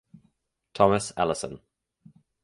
Thomas Ellison.